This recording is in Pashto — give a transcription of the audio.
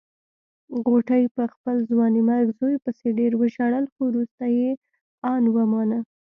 غوټۍ په خپل ځوانيمرګ زوی پسې ډېر وژړل خو روسته يې ان ومانه.